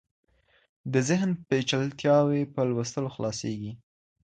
د ذهن پېچلتیاوې په لوستلو خلاصیږي.